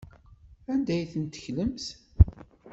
Anda ay ten-teklamt?